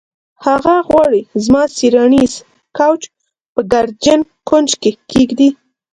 هغه غواړي زما څیړنیز کوچ په ګردجن کونج کې کیږدي